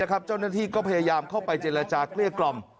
นะครับเจ้าหน้าที่ก็พยายามเข้าไปเจรจากลี่ี่กล่อม